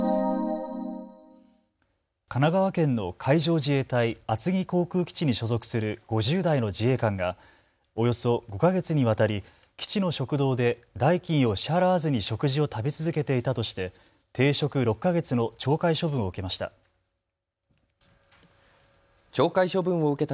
神奈川県の海上自衛隊厚木航空基地に所属する５０代の自衛官がおよそ５か月にわたり基地の食堂で代金を支払わずに食事を食べ続けていたとして停職６か月の懲戒処分を受けました。